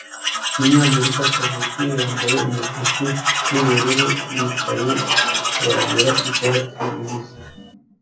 Umunyamerika kavukire yambaye umutuku nubururu yicaye atoragura ibyatsi bibisi